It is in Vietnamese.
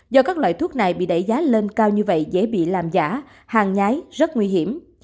do các loại thuốc này bị đẩy giá lên cao như vậy dễ bị làm giả hàng nhái rất nguy hiểm